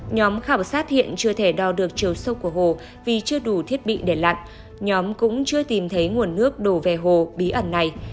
nhóm khảo sát hiện chưa thể đo được chiều sâu của hồ vì chưa đủ thiết bị để lặn nhóm cũng chưa tìm thấy nguồn nước đổ về hồ bí ẩn này